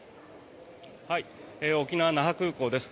沖縄・那覇空港です。